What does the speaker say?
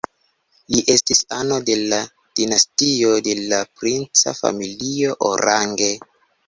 Li estis ano de la dinastio de la princa familio Orange.